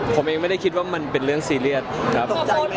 ผมเองไม่ได้คิดว่ามันเป็นเรื่องซีเรียสครับ